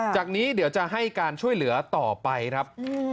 จากนี้เดี๋ยวจะให้การช่วยเหลือต่อไปครับ